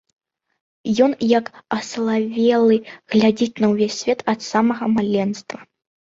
Ён, як асалавелы, глядзіць на ўвесь свет ад самага маленства.